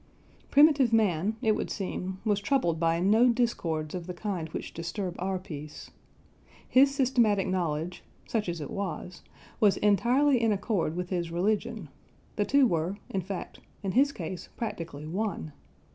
Primitive man, it would seem, was troubled by no discords of the kind which disturb our peace. His systematic knowledge such as it was was entirely in accord with his religion, the two were, in fact, in his case practically one.